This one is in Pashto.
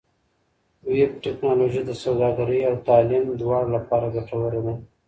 ویب ټکنالوژي د سوداګرۍ او تعلیم دواړو لپاره ګټوره ده.